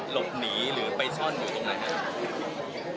หลบหนีหรือไปซ่อนอยู่ตรงนั้นครับ